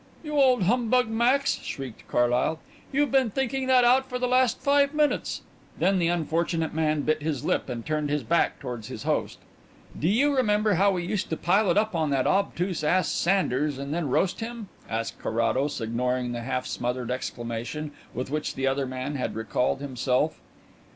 "You old humbug, Max!" shrieked Carlyle, "you've been thinking that out for the last five minutes." Then the unfortunate man bit his lip and turned his back towards his host. "Do you remember how we used to pile it up on that obtuse ass Sanders and then roast him?" asked Carrados, ignoring the half smothered exclamation with which the other man had recalled himself.